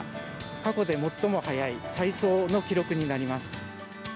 過去で最も早い、最早の記録になります。